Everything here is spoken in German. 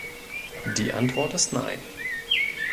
Die Antwort ist Nein.